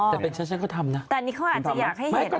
แต่เป็นฉันฉันก็ทำนะแต่อันนี้เขาอาจจะอยากให้เห็น